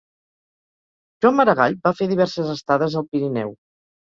Joan Maragall va fer diverses estades al Pirineu.